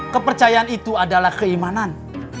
kepercayaan itu adalah keimanan